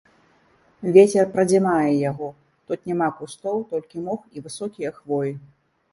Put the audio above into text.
Вецер прадзімае яго, тут няма кустоў, толькі мох і высокія хвоі.